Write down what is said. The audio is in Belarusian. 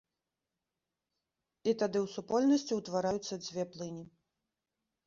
І тады ў супольнасці ўтвараюцца дзве плыні.